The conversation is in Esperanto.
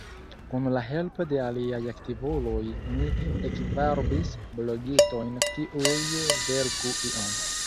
Kun la helpo de aliaj aktivuloj, mi ekvarbis blogistojn kiuj verku ion.